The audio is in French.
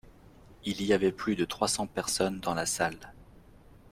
Il y avait plus de trois cents personnes dans la salle.